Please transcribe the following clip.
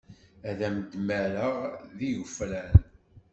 Ad am-d-mmareɣ d igefran.